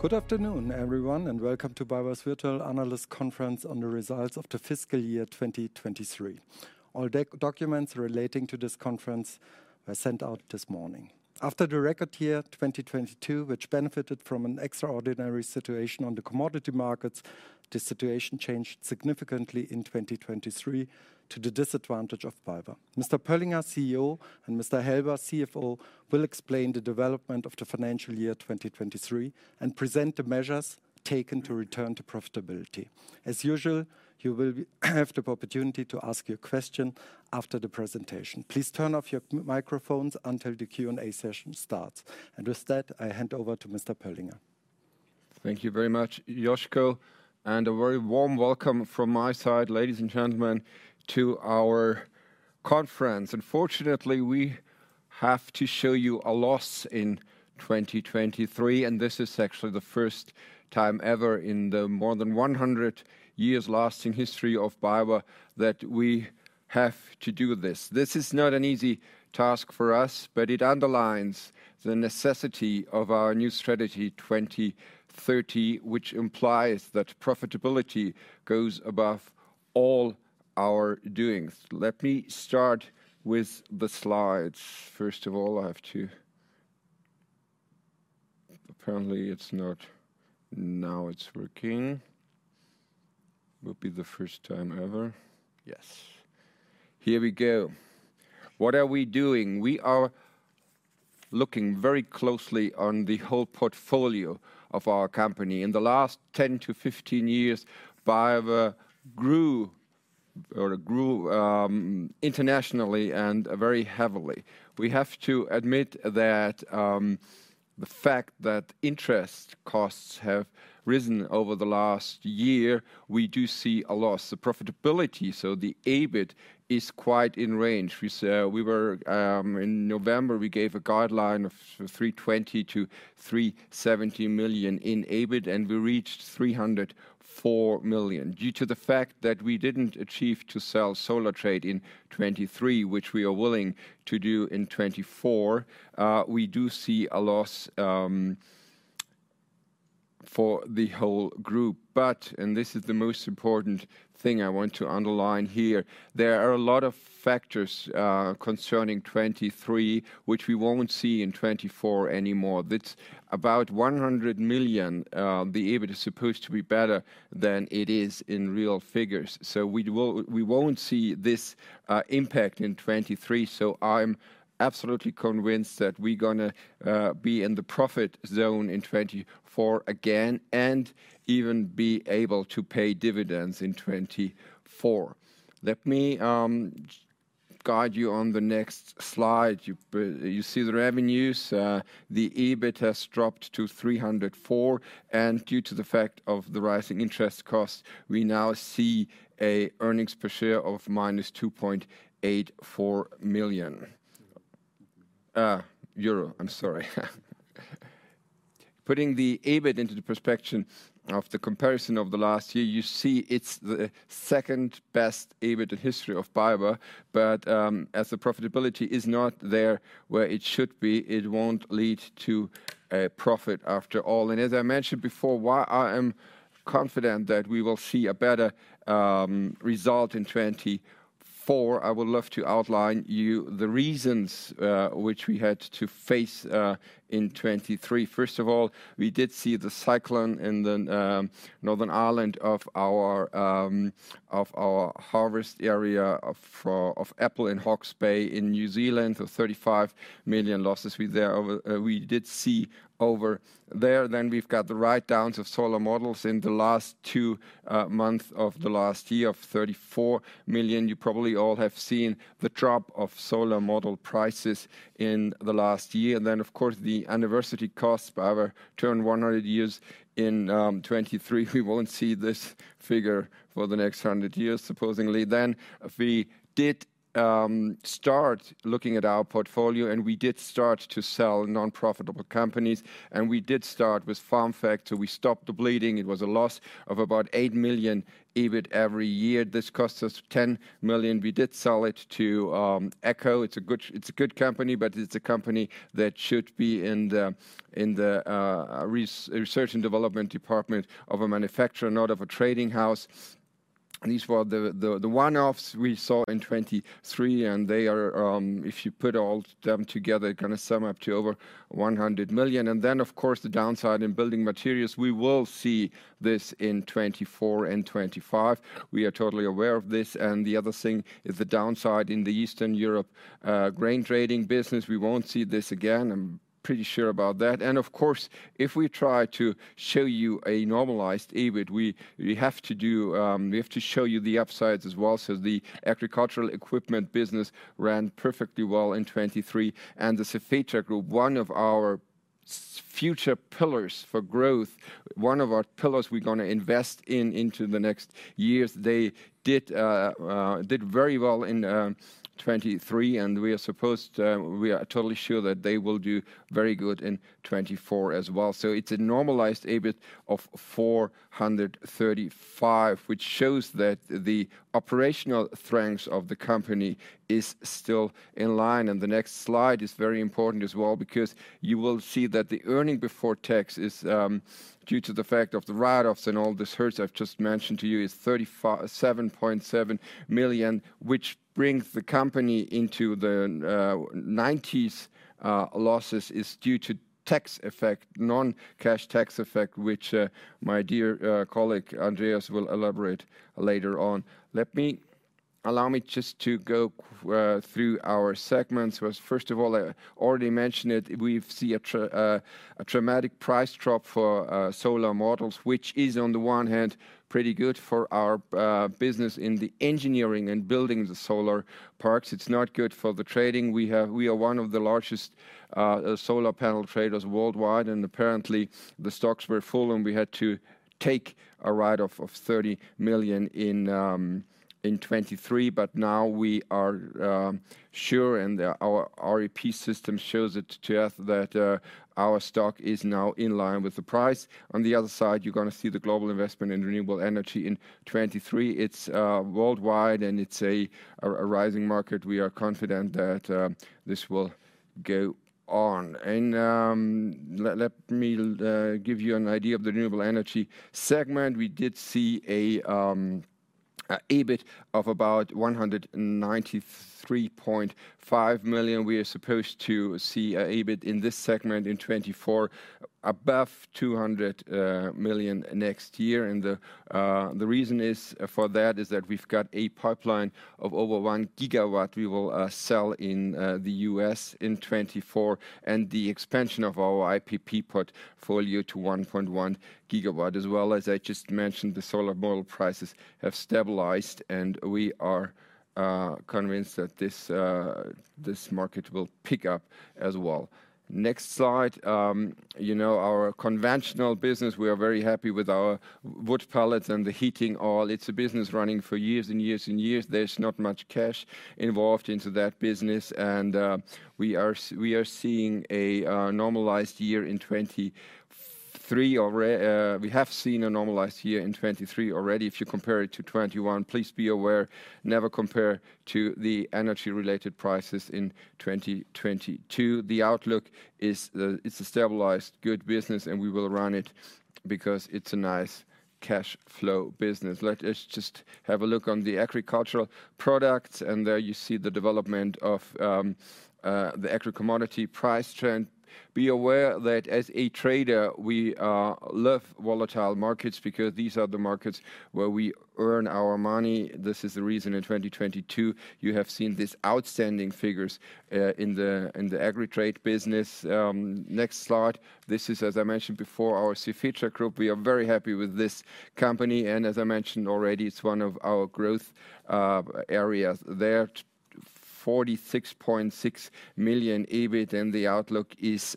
Good afternoon, everyone, and welcome to BayWa's virtual analyst conference on the results of the fiscal year 2023. All documents relating to this conference were sent out this morning. After the record year 2022, which benefited from an extraordinary situation on the commodity markets, the situation changed significantly in 2023 to the disadvantage of BayWa. Mr. Pöllinger, CEO, and Mr. Helber, CFO, will explain the development of the fiscal year 2023 and present the measures taken to return to profitability. As usual, you will have the opportunity to ask your question after the presentation. Please turn off your microphones until the Q&A session starts. And with that, I hand over to Mr. Pöllinger. Thank you very much, Josko. And a very warm welcome from my side, ladies and gentlemen, to our conference. Unfortunately, we have to show you a loss in 2023, and this is actually the first time ever in the more than 100 years-lasting history of BayWa that we have to do this. This is not an easy task for us, but it underlines the necessity of our new strategy 2030, which implies that profitability goes above all our doings. Let me start with the slides. First of all, I have to, apparently, it's not now it's working. Will be the first time ever. Yes. Here we go. What are we doing? We are looking very closely on the whole portfolio of our company. In the last 10 to 15 years, BayWa grew internationally and very heavily. We have to admit that the fact that interest costs have risen over the last year, we do see a loss. The profitability, so the EBIT, is quite in range. We were in November, we gave a guideline of 320 million-370 million in EBIT, and we reached 304 million. Due to the fact that we didn't achieve to sell Solar Trade in 2023, which we are willing to do in 2024, we do see a loss for the whole group. But - and this is the most important thing I want to underline here - there are a lot of factors concerning 2023, which we won't see in 2024 anymore. It's about 100 million; the EBIT is supposed to be better than it is in real figures. So we won't see this impact in 2023. So I'm absolutely convinced that we're going to be in the profit zone in 2024 again and even be able to pay dividends in 2024. Let me guide you on the next slide. You see the revenues. The EBIT has dropped to 304, and due to the fact of the rising interest costs, we now see an earnings per share of -2.84 million euro. I'm sorry. Putting the EBIT into the perspective of the comparison of the last year, you see it's the second-best EBIT in history of BayWa, but as the profitability is not there where it should be, it won't lead to a profit after all. And as I mentioned before, while I am confident that we will see a better result in 2024, I would love to outline you the reasons which we had to face in 2023. First of all, we did see the cyclone in the North Island of our harvest area of apple in Hawke's Bay in New Zealand, so 35 million losses we did see over there. Then we've got the write-downs of solar modules in the last two months of the last year of 34 million. You probably all have seen the drop of solar module prices in the last year. And then, of course, the anniversary costs. BayWa turned 100 years in 2023. We won't see this figure for the next 100 years, supposedly. Then we did start looking at our portfolio, and we did start to sell non-profitable companies. And we did start with FarmFacts. We stopped the bleeding. It was a loss of about 8 million EBIT every year. This cost us 10 million. We did sell it to AGCO. It's a good company, but it's a company that should be in the research and development department of a manufacturer, not of a trading house. These were the one-offs we saw in 2023, and they are, if you put all them together, going to sum up to over 100 million. And then, of course, the downside in building materials. We will see this in 2024 and 2025. We are totally aware of this. And the other thing is the downside in the Eastern Europe grain trading business. We won't see this again. I'm pretty sure about that. And of course, if we try to show you a normalized EBIT, we have to show you the upsides as well. So the agricultural equipment business ran perfectly well in 2023. And the Cefetra Group, one of our future pillars for growth, one of our pillars we're going to invest in into the next years, they did very well in 2023, and we are totally sure that they will do very good in 2024 as well. So it's a normalized EBIT of 435 million, which shows that the operational strength of the company is still in line. And the next slide is very important as well because you will see that the earnings before tax is due to the fact of the write-offs and all the hurt I've just mentioned to you is 37.7 million, which brings the company into the 90s losses is due to tax effect, non-cash tax effect, which my dear colleague Andreas will elaborate later on. Let me just go through our segments. First of all, I already mentioned it. We see a dramatic price drop for solar modules, which is on the one hand pretty good for our business in the engineering and building the solar parks. It's not good for the trading. We are one of the largest solar panel traders worldwide, and apparently the stocks were full, and we had to take a write-off of 30 million in 2023. But now we are sure, and our ERP system shows it to us, that our stock is now in line with the price. On the other side, you're going to see the global investment in renewable energy in 2023. It's worldwide, and it's a rising market. We are confident that this will go on. And let me give you an idea of the renewable energy segment. We did see an EBIT of about 193.5 million. We are supposed to see an EBIT in this segment in 2024 above 200 million next year. The reason for that is that we've got a pipeline of over 1 GW we will sell in the U.S. in 2024 and the expansion of our IPP portfolio to 1.1 GW. As well as I just mentioned, the solar modules prices have stabilized, and we are convinced that this market will pick up as well. Next slide. Our conventional business, we are very happy with our wood pellets and the heating oil. It's a business running for years and years and years. There's not much cash involved into that business, and we are seeing a normalized year in 2023 already. We have seen a normalized year in 2023 already. If you compare it to 2021, please be aware. Never compare to the energy-related prices in 2022. The outlook is it's a stabilized, good business, and we will run it because it's a nice cash flow business. Let us just have a look on the agricultural products, and there you see the development of the agro-commodity price trend. Be aware that as a trader, we love volatile markets because these are the markets where we earn our money. This is the reason in 2022 you have seen these outstanding figures in the agri-trade business. Next slide. This is, as I mentioned before, our Cefetra Group. We are very happy with this company. And as I mentioned already, it's one of our growth areas there. 46.6 million EBIT, and the outlook is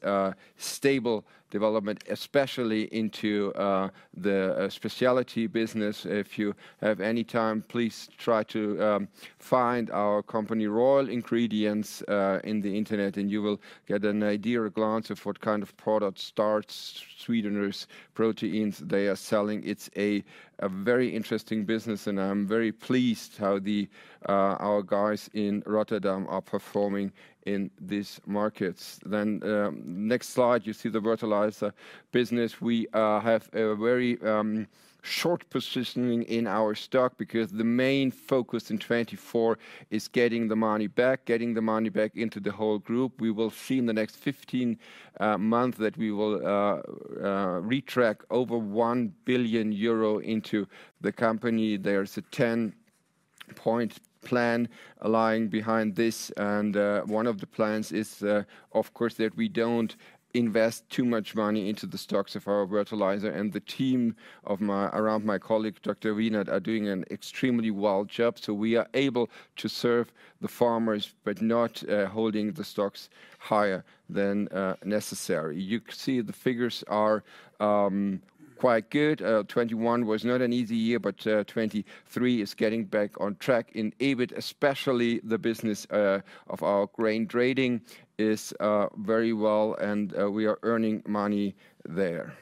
stable development, especially into the specialty business. If you have any time, please try to find our company Royal Ingredients on the internet, and you will get an idea or glance of what kind of products, starches, sweeteners, proteins they are selling. It's a very interesting business, and I'm very pleased how our guys in Rotterdam are performing in these markets. Next slide, you see the fertilizer business. We have a very short positioning in our stock because the main focus in 2024 is getting the money back, getting the money back into the whole group. We will see in the next 15 months that we will retrack over 1 billion euro into the company. There is a 10-point plan lying behind this, and one of the plans is, of course, that we don't invest too much money into the stocks of our fertilizer. And the team around my colleague, Dr. Wienert, are doing an extremely wild job. So we are able to serve the farmers, but not holding the stocks higher than necessary. You can see the figures are quite good. 2021 was not an easy year, but 2023 is getting back on track in EBIT, especially the business of our grain trading is very well, and we are earning money there.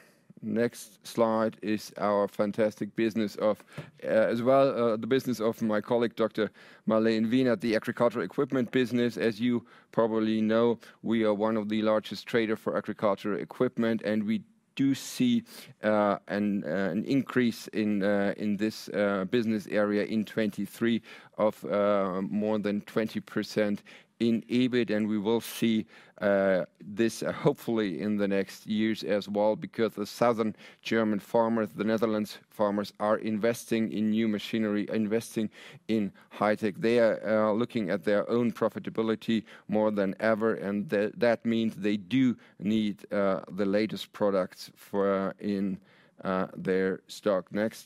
Next slide is our fantastic business of as well, the business of my colleague, Dr. Marlen Wienert, the agricultural equipment business. As you probably know, we are one of the largest traders for agricultural equipment, and we do see an increase in this business area in 2023 of more than 20% in EBIT. And we will see this, hopefully, in the next years as well because the southern German farmers, the Netherlands farmers, are investing in new machinery, investing in high-tech. They are looking at their own profitability more than ever, and that means they do need the latest products in their stock. Next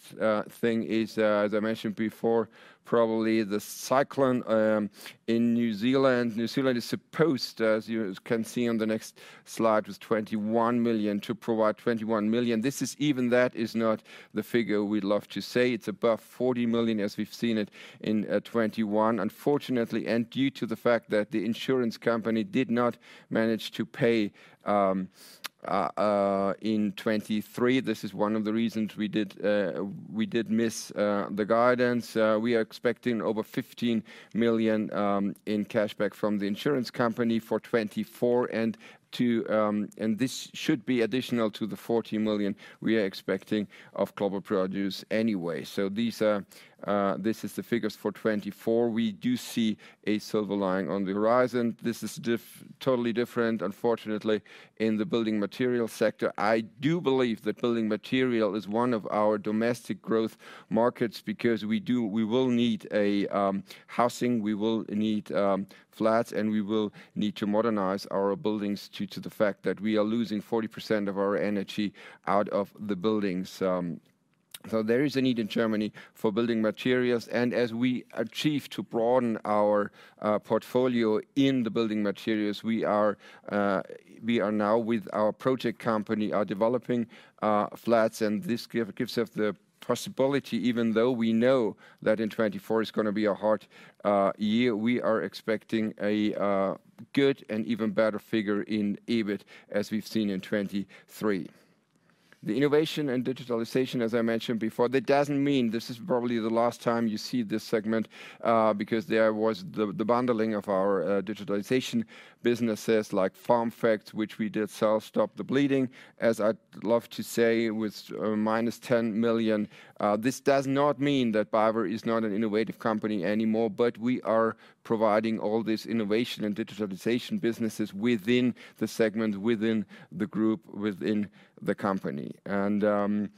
thing is, as I mentioned before, probably the cyclone in New Zealand. New Zealand is supposed, as you can see on the next slide, with 21 million to provide 21 million. This is even that is not the figure we'd love to say. It's above 40 million as we've seen it in 2021, unfortunately. And due to the fact that the insurance company did not manage to pay in 2023, this is one of the reasons we did miss the guidance. We are expecting over 15 million in cashback from the insurance company for 2024, and this should be additional to the 40 million we are expecting of Global Produce anyway. So this is the figures for 2024. We do see a silver lining on the horizon. This is totally different, unfortunately, in the building material sector. I do believe that building material is one of our domestic growth markets because we will need housing, we will need flats, and we will need to modernize our buildings due to the fact that we are losing 40% of our energy out of the buildings. So there is a need in Germany for building materials. And as we achieve to broaden our portfolio in the building materials, we are now with our project company, are developing flats, and this gives us the possibility, even though we know that in 2024 is going to be a hard year, we are expecting a good and even better figure in EBIT as we've seen in 2023. The innovation and digitalization, as I mentioned before, that doesn't mean this is probably the last time you see this segment because there was the bundling of our digitalization businesses like FarmFacts, which we did sell, stop the bleeding. As I'd love to say, with -10 million, this does not mean that BayWa is not an innovative company anymore, but we are providing all these innovation and digitalization businesses within the segment, within the group, within the company. And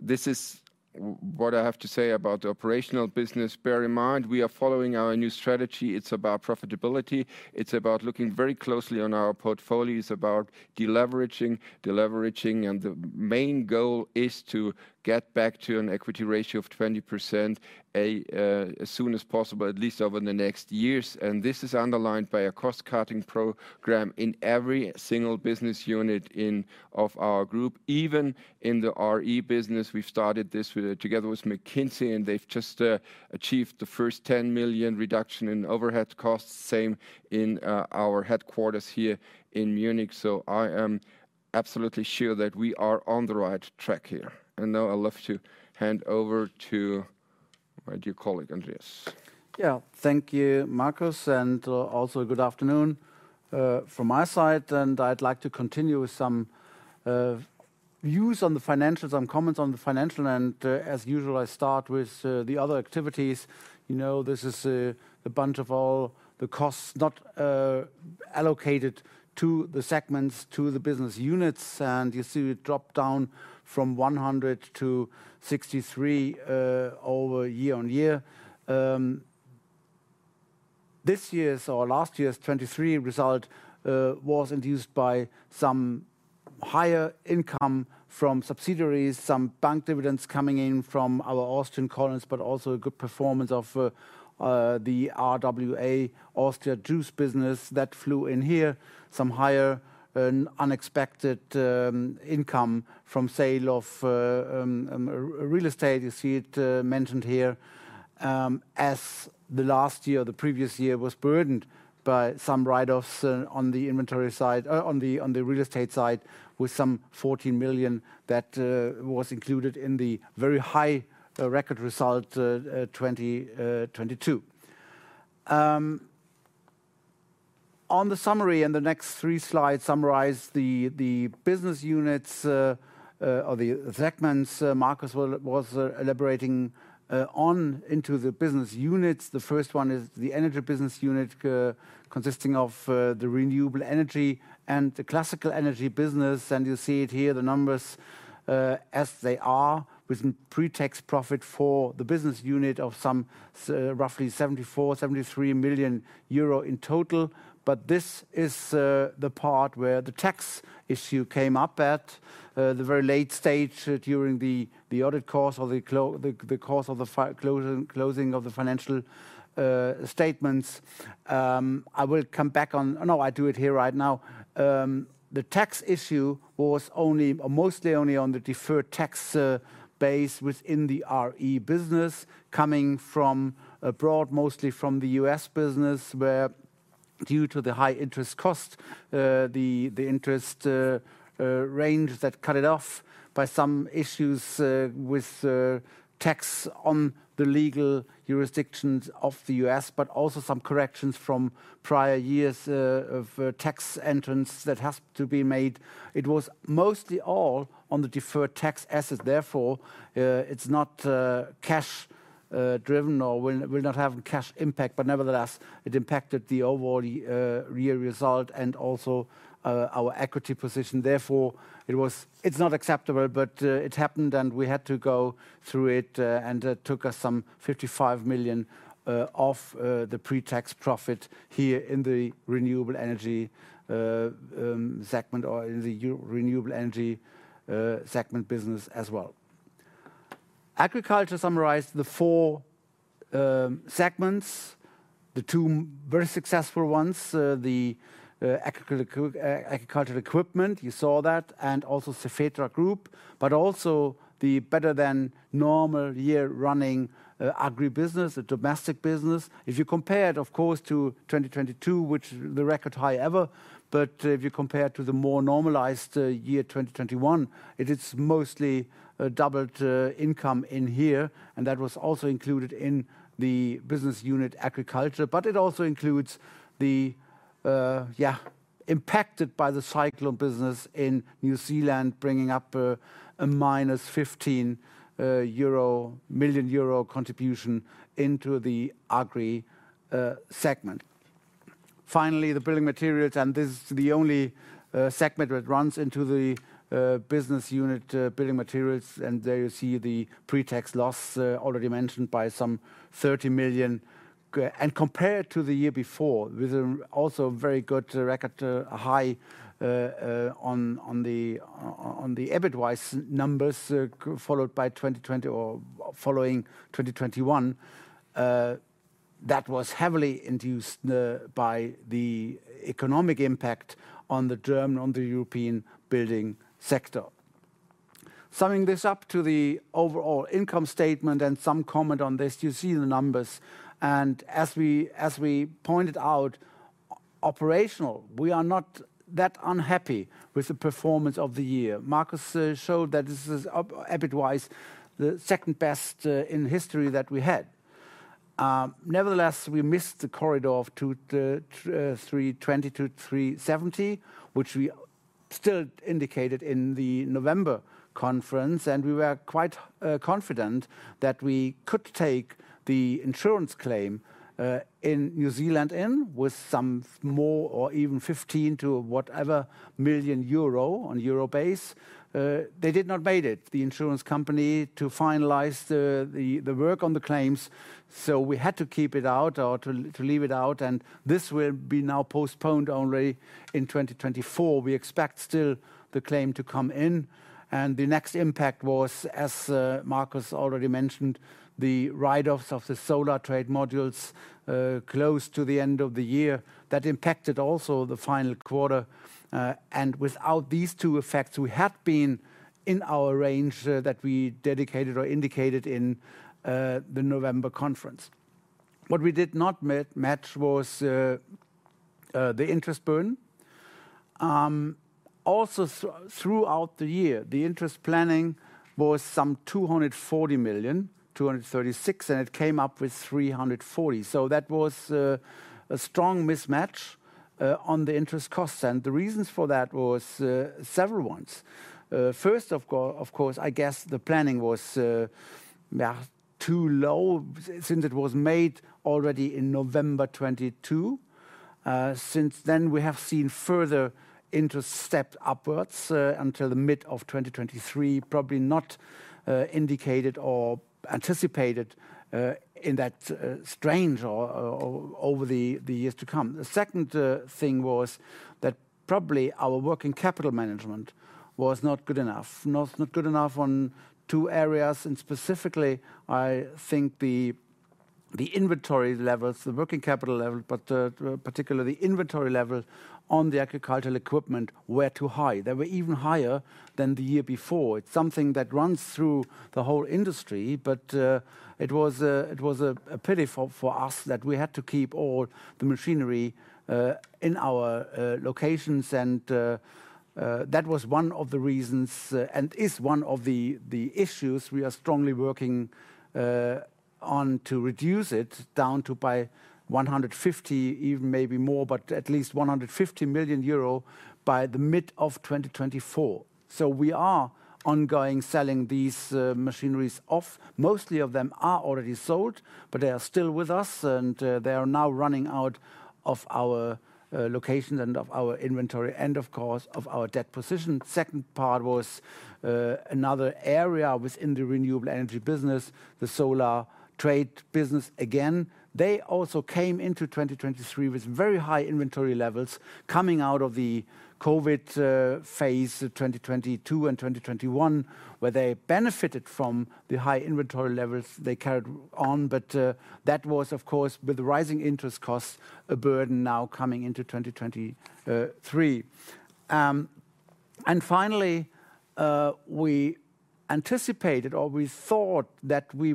this is what I have to say about the operational business. Bear in mind, we are following our new strategy. It's about profitability. It's about looking very closely on our portfolio. It's about deleveraging, deleveraging, and the main goal is to get back to an equity ratio of 20% as soon as possible, at least over the next years. This is underlined by a cost-cutting program in every single business unit of our group. Even in the RE business, we've started this together with McKinsey, and they've just achieved the first 10 million reduction in overhead costs, same in our headquarters here in Munich. So I am absolutely sure that we are on the right track here. Now I'd love to hand over to my dear colleague, Andreas. Yeah. Thank you, Marcus. Also good afternoon from my side. I'd like to continue with some views on the financials, some comments on the financials. As usual, I start with the other activities. This is a bunch of all the costs not allocated to the segments, to the business units. You see it drop down from 100 to 63 year-over-year. This year's or last year's 2023 result was induced by some higher income from subsidiaries, some bank dividends coming in from our Austrian clients, but also a good performance of the RWA, Austria Juice business that flew in here, some higher unexpected income from sale of real estate. You see it mentioned here as the last year or the previous year was burdened by some write-offs on the inventory side, on the real estate side with some 14 million that was included in the very high record result 2022. On the summary and the next three slides summarize the business units or the segments Marcus was elaborating on into the business units. The first one is the energy business unit consisting of the renewable energy and the classical energy business. And you see it here, the numbers as they are with some pre-tax profit for the business unit of some roughly 74 to 73 million in total. But this is the part where the tax issue came up at the very late stage during the audit course or the course of the closing of the financial statements. I will come back on no, I do it here right now. The tax issue was mostly only on the deferred tax base within the RE business coming from abroad, mostly from the U.S. business where due to the high interest cost, the interest range that cut it off by some issues with tax on the legal jurisdictions of the U.S., but also some corrections from prior years of tax entrance that has to be made. It was mostly all on the deferred tax assets. Therefore, it's not cash-driven or will not have cash impact, but nevertheless, it impacted the overall year result and also our equity position. Therefore, it's not acceptable, but it happened, and we had to go through it, and it took us some 55 million off the pre-tax profit here in the renewable energy segment or in the renewable energy segment business as well. Agriculture summarized the four segments, the two very successful ones, the agricultural equipment, you saw that, and also Cefetra Group, but also the better-than-normal year running agribusiness, the domestic business. If you compare it, of course, to 2022, which is the record high ever, but if you compare it to the more normalized year 2021, it's mostly doubled income in here, and that was also included in the business unit agriculture. But it also includes the, yeah, impacted by the cyclone business in New Zealand bringing up a minus 15 million euro contribution into the agri segment. Finally, the building materials, and this is the only segment that runs into the business unit, building materials, and there you see the pre-tax loss already mentioned by some 30 million. And compared to the year before with also a very good record, high on the EBIT-wise numbers followed by 2020 or following 2021, that was heavily induced by the economic impact on the German, on the European building sector. Summing this up to the overall income statement and some comment on this, you see the numbers. And as we pointed out, operational, we are not that unhappy with the performance of the year. Marcus showed that this is EBIT-wise the second best in history that we had. Nevertheless, we missed the corridor of 2,320 TO 2,370, which we still indicated in the November conference, and we were quite confident that we could take the insurance claim in New Zealand in with some more or even 15 to whatever million EUR on euro base. They did not make it, the insurance company, to finalize the work on the claims. So we had to keep it out or to leave it out, and this will be now postponed only in 2024. We expect still the claim to come in. And the next impact was, as Marcus already mentioned, the write-offs of the solar trade modules close to the end of the year. That impacted also the final quarter. And without these two effects, we had been in our range that we dedicated or indicated in the November conference. What we did not match was the interest burn. Also throughout the year, the interest planning was some 240 million, 236 million, and it came up with 340 million. So that was a strong mismatch on the interest costs. The reasons for that was several ones. First, of course, I guess the planning was too low since it was made already in November 2022. Since then, we have seen further interest step upwards until the mid of 2023, probably not indicated or anticipated in that strange or over the years to come. The second thing was that probably our working capital management was not good enough, not good enough on two areas. And specifically, I think the inventory levels, the working capital level, but particularly the inventory level on the agricultural equipment were too high. They were even higher than the year before. It's something that runs through the whole industry, but it was a pity for us that we had to keep all the machinery in our locations. And that was one of the reasons and is one of the issues. We are strongly working on to reduce it down to by 150 million, even maybe more, but at least 150 million euro by the mid of 2024. So we are ongoing selling these machineries off. Mostly of them are already sold, but they are still with us, and they are now running out of our locations and of our inventory and, of course, of our debt position. Second part was another area within the renewable energy business, the solar trade business again. They also came into 2023 with very high inventory levels coming out of the COVID phase 2022 and 2021 where they benefited from the high inventory levels they carried on. But that was, of course, with rising interest costs, a burden now coming into 2023. And finally, we anticipated or we thought that we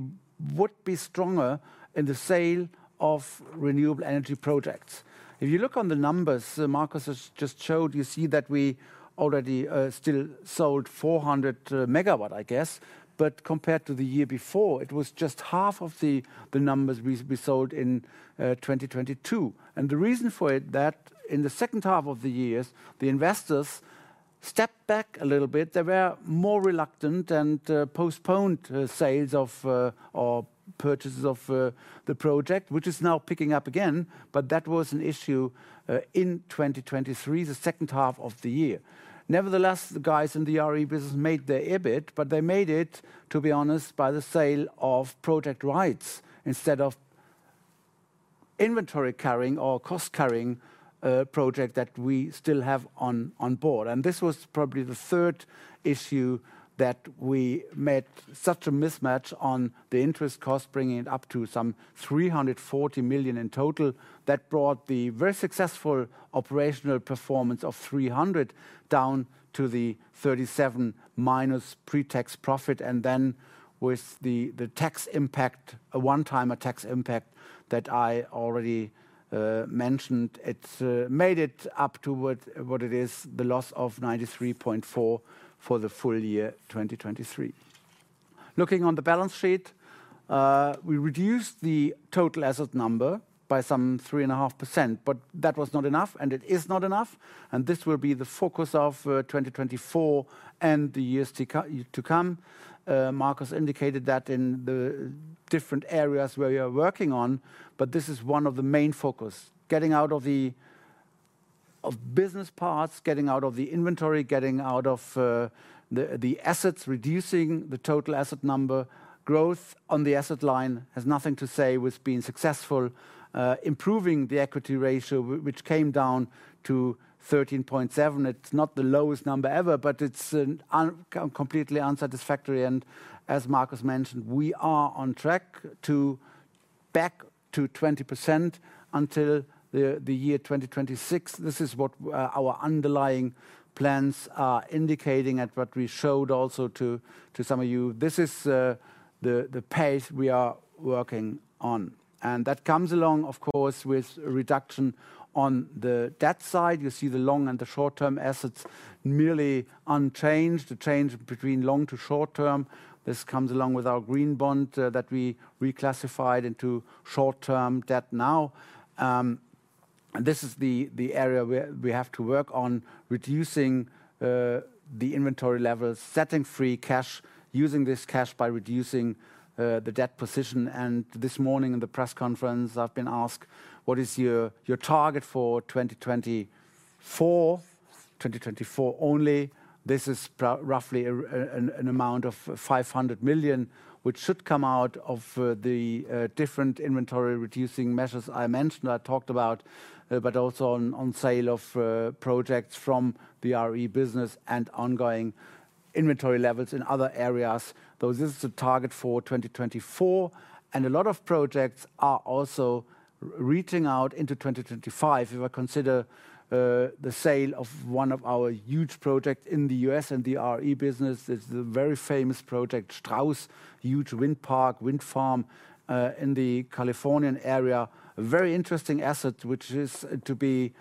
would be stronger in the sale of renewable energy projects. If you look on the numbers Marcus just showed, you see that we already still sold 400 megawatts, I guess, but compared to the year before, it was just half of the numbers we sold in 2022. And the reason for it, that in the second half of the year, the investors stepped back a little bit. They were more reluctant and postponed sales or purchases of the project, which is now picking up again, but that was an issue in 2023, the second half of the year. Nevertheless, the guys in the RE business made their EBIT, but they made it, to be honest, by the sale of project rights instead of inventory carrying or cost-carrying project that we still have on board. And this was probably the third issue that we met such a mismatch on the interest cost, bringing it up to some 340 million in total. That brought the very successful operational performance of 300 million down to the -37 million pre-tax profit. And then with the tax impact, a one-time tax impact that I already mentioned, it made it up to what it is, the loss of 93.4 million for the full year 2023. Looking on the balance sheet, we reduced the total asset number by some 3.5%, but that was not enough, and it is not enough. And this will be the focus of 2024 and the years to come. Marcus indicated that in the different areas where we are working on, but this is one of the main focuses, getting out of the business parts, getting out of the inventory, getting out of the assets, reducing the total asset number. Growth on the asset line has nothing to say with being successful, improving the equity ratio, which came down to 13.7. It's not the lowest number ever, but it's completely unsatisfactory. And as Marcus mentioned, we are on track to back to 20% until the year 2026. This is what our underlying plans are indicating at what we showed also to some of you. This is the pace we are working on. And that comes along, of course, with reduction on the debt side. You see the long- and the short-term assets merely unchanged, the change between long to short-term. This comes along with our green bond that we reclassified into short-term debt now. This is the area where we have to work on reducing the inventory levels, setting free cash, using this cash by reducing the debt position. This morning in the press conference, I've been asked, "What is your target for 2024?" 2024 only. This is roughly an amount of 500 million, which should come out of the different inventory reducing measures I mentioned, I talked about, but also on sale of projects from the RE business and ongoing inventory levels in other areas. So this is the target for 2024. A lot of projects are also reaching out into 2025. If I consider the sale of one of our huge projects in the U.S. and the RE business, it's the very famous project, Strauss, huge wind park, wind farm in the Californian area, a very interesting asset, which is to be,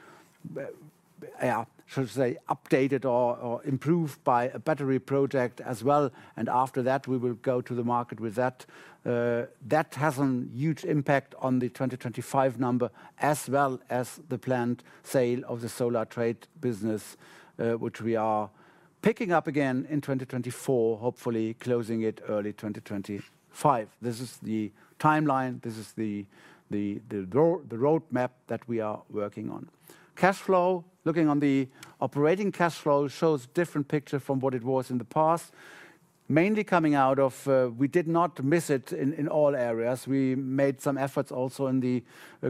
yeah, should I say, updated or improved by a battery project as well. And after that, we will go to the market with that. That has a huge impact on the 2025 number as well as the planned sale of the solar trade business, which we are picking up again in 2024, hopefully closing it early 2025. This is the timeline. This is the roadmap that we are working on. Cash flow, looking on the operating cash flow, shows a different picture from what it was in the past, mainly coming out of we did not miss it in all areas. We made some efforts also in the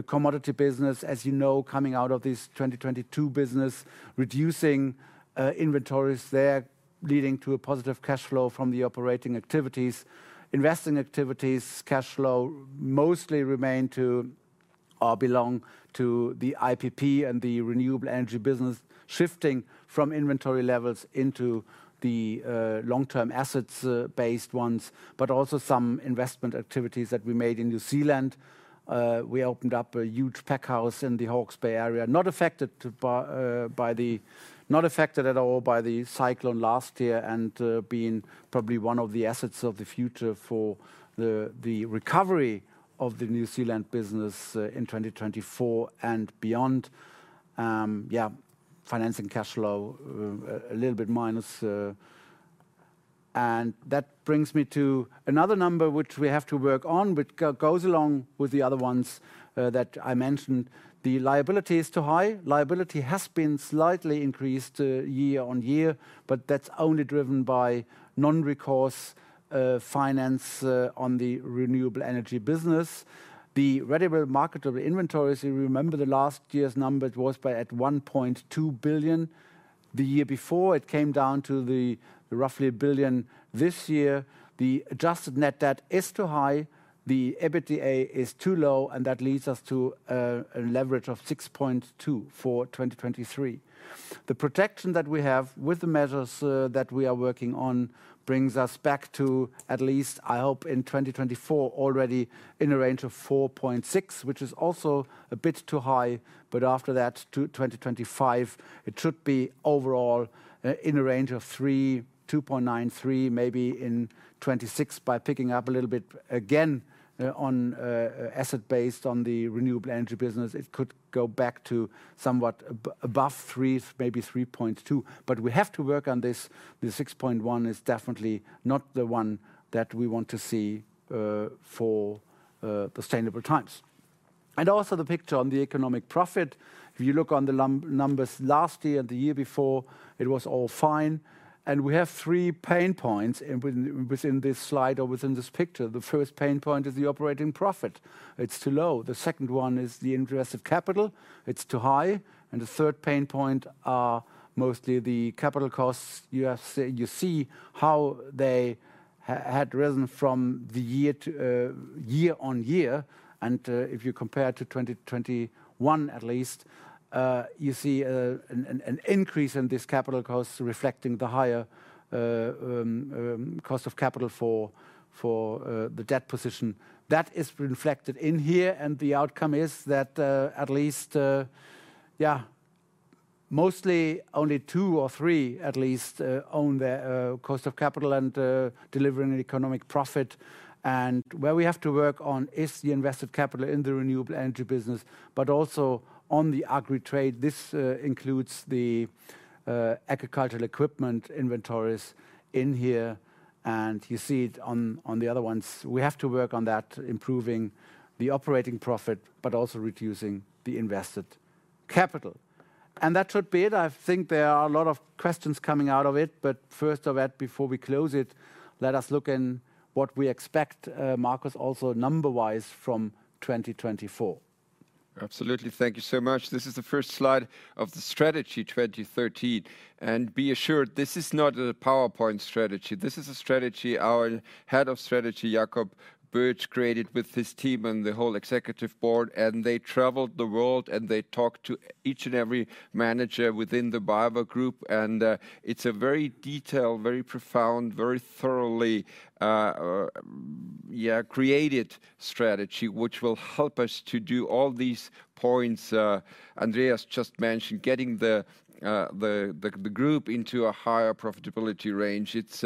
commodity business, as you know, coming out of this 2022 business, reducing inventories there, leading to a positive cash flow from the operating activities. Investing activities, cash flow mostly remained to or belong to the IPP and the renewable energy business, shifting from inventory levels into the long-term assets-based ones, but also some investment activities that we made in New Zealand. We opened up a huge packhouse in the Hawke's Bay area, not affected by, not affected at all by the cyclone last year and being probably one of the assets of the future for the recovery of the New Zealand business in 2024 and beyond. Yeah, financing cash flow a little bit minus. And that brings me to another number, which we have to work on, which goes along with the other ones that I mentioned. The liability is too high. Liabilities have been slightly increased year-over-year, but that's only driven by non-recourse finance on the renewable energy business. The readily marketable inventories, you remember the last year's number, it was at 1.2 billion. The year before, it came down to roughly 1 billion this year. The adjusted net debt is too high. The EBITDA is too low, and that leads us to a leverage of 6.2 for 2023. The protection that we have with the measures that we are working on brings us back to at least, I hope, in 2024 already in a range of 4.6, which is also a bit too high. But after that, to 2025, it should be overall in a range of 3-2.93, maybe in 2026 by picking up a little bit again on asset-based on the renewable energy business. It could go back to somewhat above 3, maybe 3.2. But we have to work on this. The 6.1 is definitely not the one that we want to see for the sustainable times. Also the picture on the economic profit. If you look on the numbers last year and the year before, it was all fine. We have three pain points within this slide or within this picture. The first pain point is the operating profit. It's too low. The second one is the interest of capital. It's too high. The third pain point are mostly the capital costs. You see how they had risen from year on year. If you compare to 2021 at least, you see an increase in this capital costs reflecting the higher cost of capital for the debt position. That is reflected in here. The outcome is that at least, yeah, mostly only two or three at least own their cost of capital and delivering an economic profit. And where we have to work on is the invested capital in the renewable energy business, but also on the agri trade. This includes the agricultural equipment inventories in here. And you see it on the other ones. We have to work on that, improving the operating profit, but also reducing the invested capital. And that should be it. I think there are a lot of questions coming out of it. But first of that, before we close it, let us look in what we expect, Marcus, also number-wise from 2024. Absolutely. Thank you so much. This is the first slide of the strategy 2013. And be assured, this is not a PowerPoint strategy. This is a strategy our head of strategy, Jakob Bürg, created with his team and the whole executive board. They traveled the world, and they talked to each and every manager within the BayWa Group. It's a very detailed, very profound, very thoroughly, yeah, created strategy, which will help us to do all these points Andreas just mentioned, getting the group into a higher profitability range. It's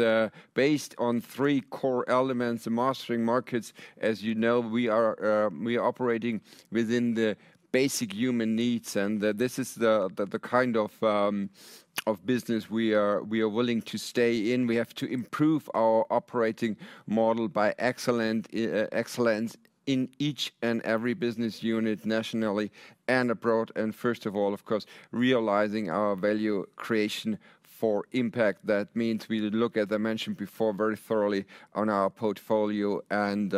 based on three core elements, the mastering markets. As you know, we are operating within the basic human needs. This is the kind of business we are willing to stay in. We have to improve our operating model by excellence in each and every business unit nationally and abroad. First of all, of course, realizing our value creation for impact. That means we look at, I mentioned before, very thoroughly on our portfolio and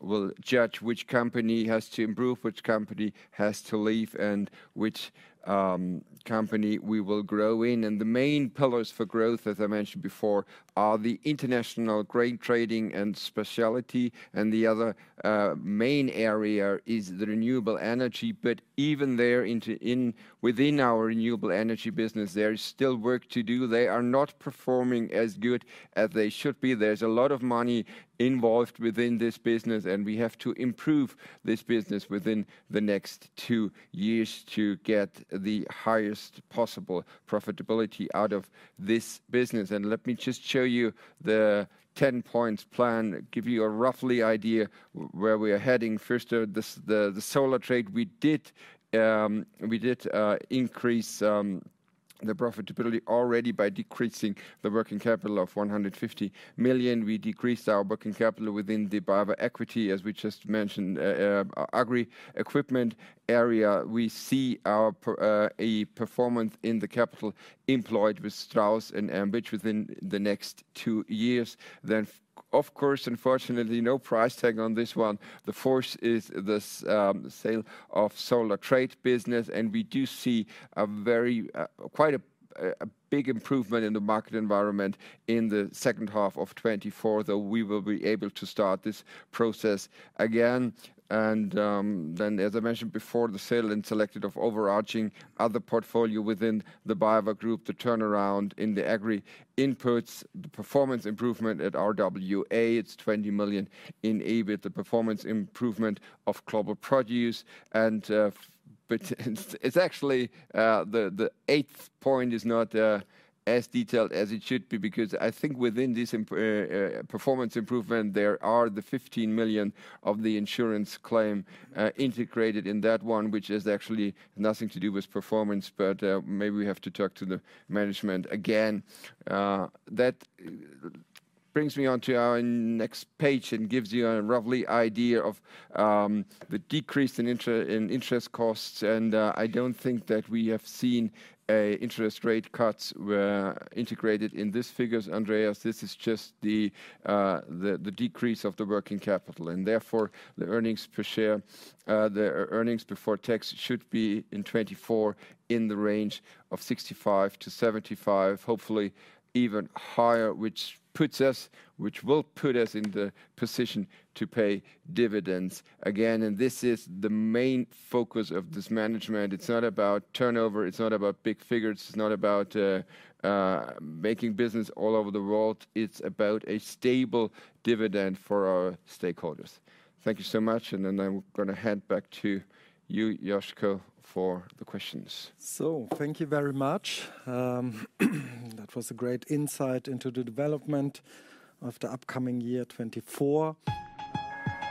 will judge which company has to improve, which company has to leave, and which company we will grow in. The main pillars for growth, as I mentioned before, are the international grain trading and specialty. The other main area is the renewable energy. But even there, within our renewable energy business, there is still work to do. They are not performing as good as they should be. There's a lot of money involved within this business, and we have to improve this business within the next two years to get the highest possible profitability out of this business. Let me just show you the 10-point plan, give you a rough idea where we are heading. First, the solar trade, we did increase the profitability already by decreasing the working capital of 150 million. We decreased our working capital within the BayWa equity, as we just mentioned, agri equipment area. We see a performance in the capital employed with Strauss and Fambridge within the next two years. Then, of course, unfortunately, no price tag on this one. The fourth is the sale of solar trade business. And we do see quite a big improvement in the market environment in the second half of 2024, though we will be able to start this process again. And then, as I mentioned before, the sale of selected overarching other portfolio within the BayWa Group, the turnaround in the agri inputs, the performance improvement at RWA, it's 20 million in EBIT, the performance improvement of global produce. It's actually the eighth point is not as detailed as it should be because I think within this performance improvement, there are the 15 million of the insurance claim integrated in that one, which has actually nothing to do with performance. But maybe we have to talk to the management again. That brings me on to our next page and gives you a rough idea of the decrease in interest costs. And I don't think that we have seen interest rate cuts integrated in these figures, Andreas. This is just the decrease of the working capital. And therefore, the earnings per share, the earnings before tax should be in 2024 in the range of 65 to 75, hopefully even higher, which puts us, which will put us in the position to pay dividends again. And this is the main focus of this management. It's not about turnover. It's not about big figures. It's not about making business all over the world. It's about a stable dividend for our stakeholders. Thank you so much. And then I'm going to hand back to you, Josko, for the questions. So thank you very much. That was a great insight into the development of the upcoming year, 2024.